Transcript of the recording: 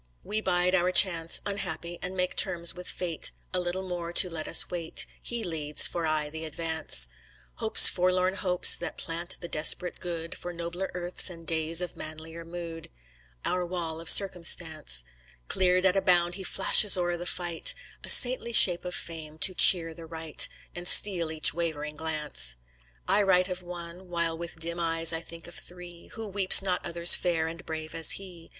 We bide our chance, Unhappy, and make terms with Fate A little more to let us wait; He leads for aye the advance, Hope's forlorn hopes that plant the desperate good For nobler Earths and days of manlier mood; Our wall of circumstance Cleared at a bound, he flashes o'er the fight, A saintly shape of fame, to cheer the right And steel each wavering glance. I write of one, While with dim eyes I think of three; Who weeps not others fair and brave as he?